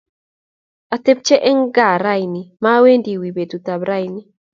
Atebchei eng gaa raini, mawendi wiy betutab raini